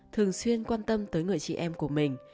thường xuyên quan tâm tới người chị em của mình